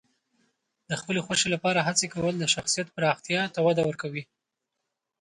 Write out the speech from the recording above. د خپلې خوښې لپاره هڅې کول د شخصیت پراختیا ته وده ورکوي.